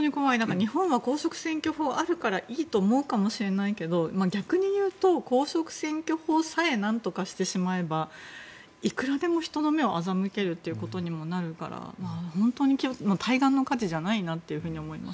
日本は公職選挙法があるからいいと思うかもしれないけれども逆に言うと、公職選挙法さえ何とかしてしまえばいくらでも人の目を欺けるということにもなるから本当に対岸の火事じゃないなと思います。